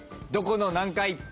どこの何階？